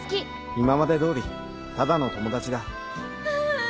今まで通りただの友達だ。